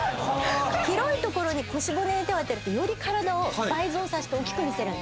広い所に腰骨に手を当てるとより体を倍増させて大きく見せる。